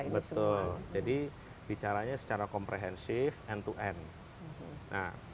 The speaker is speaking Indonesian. betul jadi bicaranya secara komprehensif end to end